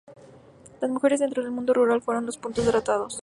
las mujeres dentro del mundo rural fueron los puntos tratados